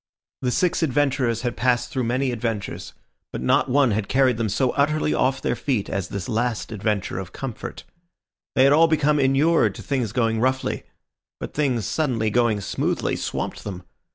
The six adventurers had passed through many adventures, but not one had carried them so utterly off their feet as this last adventure of comfort. They had all become inured to things going roughly; but things suddenly going smoothly swamped them.